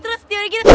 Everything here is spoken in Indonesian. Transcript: terus dia udah gitu